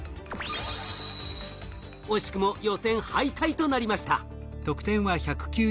惜しくも予選敗退となりました。